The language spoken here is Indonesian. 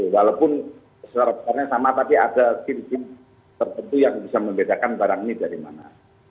walaupun secara besarnya sama tapi ada tim tim tertentu yang bisa membedakan barang ini dari mana